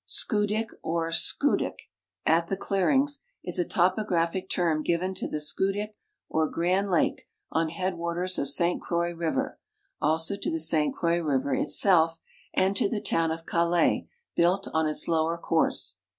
Schoodic or Skudik, " a^the clearings," is a topographicterm given to the ydioodic or Grand lake, on headwaters of St Croix river; also to the St Croix river itself, and to the town of Calais, built on its lower course.